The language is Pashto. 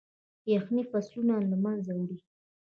يخني فصلونه له منځه وړي.